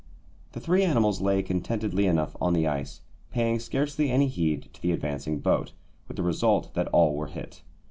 The three animals lay contentedly enough on the ice, paying scarcely any heed to the advancing boat, with the result that all were hit.